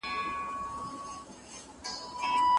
له ماڼۍ څخه ډګر ته وړاندي تلل زموږ لخوا ترسره